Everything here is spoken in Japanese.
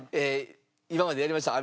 今までやりました。